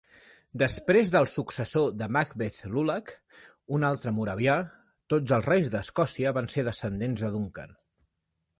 Després del successor de Macbeth Lulach, un altre moravià, Tots els reis d'Escòcia van ser descendents de Duncan.